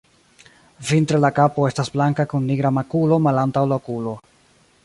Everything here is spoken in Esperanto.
Vintre la kapo estas blanka kun nigra makulo malantaŭ la okulo.